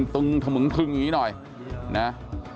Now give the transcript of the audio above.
ตึงถมึงพึงอย่างนี้หน่อยนะ